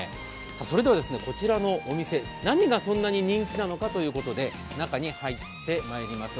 それではこちらのお店、何がそんなに人気なのかということで中に入ってまいります。